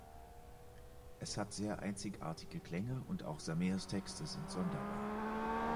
Es hat sehr einzigartige Klänge und auch Sameers Texte sind sonderbar.